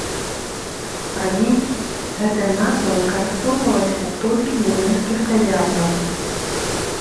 Раней гэтая назва выкарыстоўвалася толькі для венскіх кавярняў.